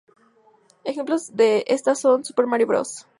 Ejemplos de estas son "Super Mario Bros.